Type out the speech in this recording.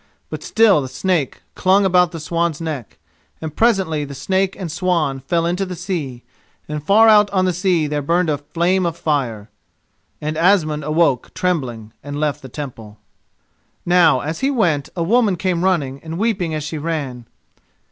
But still the snake clung about the swan's neck, and presently snake and swan fell into the sea, and far out on the sea there burned a flame of fire. And Asmund awoke trembling and left the Temple. Now as he went, a woman came running, and weeping as she ran.